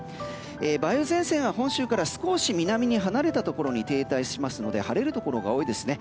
梅雨前線は本州から少し南に離れたところに停滞しますので晴れるところが多いですね。